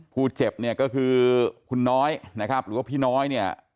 กูเจ็บก็คือคุณน้อยหรือพี่น้อย